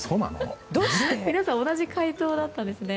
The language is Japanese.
皆さん同じ回答だったんですね。